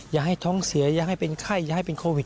อย่าให้ท้องเสียอย่าให้เป็นไข้อย่าให้เป็นโควิด